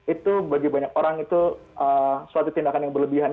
itu bagi banyak orang itu suatu tindakan yang berlebihan